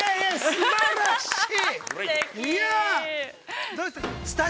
すばらしい！